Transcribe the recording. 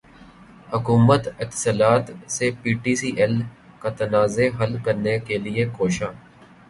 حکومت اتصالات سے پی ٹی سی ایل کا تنازع حل کرنے کیلئے کوشاں